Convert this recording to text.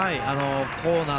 コーナー